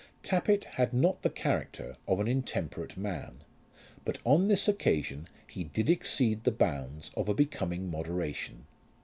Tappitt had not the character of an intemperate man, but on this occasion he did exceed the bounds of a becoming moderation.